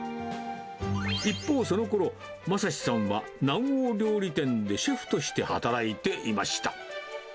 一方、そのころ、昌史さんは、南欧料理店でシェフとして働いていました。